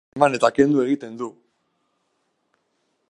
Eman eta kendu egiten du.